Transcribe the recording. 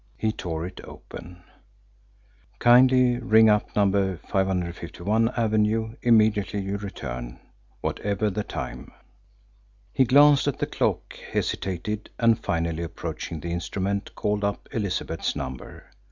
He tore it open: "Kindly ring up Number 551 Avenue immediately you return, whatever the time." He glanced at the clock, hesitated, and finally approaching the instrument called up Elizabeth's number.